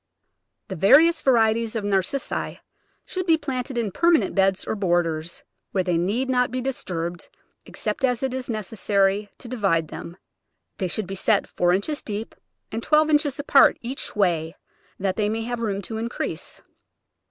The various varieties of Narcissi should be planted in permanent beds or borders, where they need not be Digitized by Google Seventeen] C&E CEtt <rf Still)* "J* disturbed except as it is necessary to divide them. They should be set four inches deep and twelve inches apart each way, that they may have room to increase.